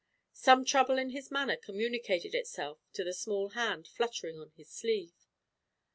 Some trouble in his manner communicated itself to the small hand fluttering on his sleeve.